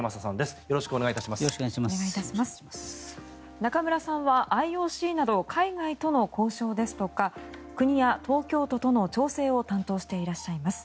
中村さんはＩＯＣなど海外との交渉ですとか国や東京都との調整を担当しています。